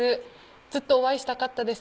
ずっとお会いしたかったです。